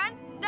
kamu bener kan